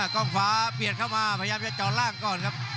กล้องขวาเบียดเข้ามาพยายามจะเจาะล่างก่อนครับ